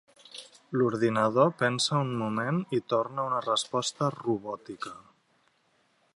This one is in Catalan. L'ordinador pensa un moment i torna una resposta robòtica.